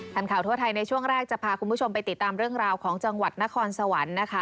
ข่าวทั่วไทยในช่วงแรกจะพาคุณผู้ชมไปติดตามเรื่องราวของจังหวัดนครสวรรค์นะคะ